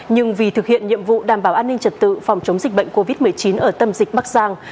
nhưng vì thực hiện nhiệm vụ đảm bảo an ninh trật tự phòng chống dịch bệnh covid một mươi chín ở tâm dịch bắc giang